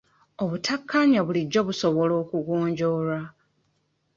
Obutakkaanya bulijjo busobola okugonjoolwa .